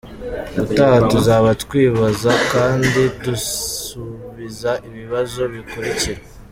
Ubutaha tuzaba twibaza kandi dusubiza ibibazo bikurikira: .